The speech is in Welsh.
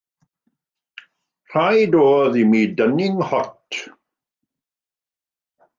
Rhaid oedd i mi dynnu fy nghot.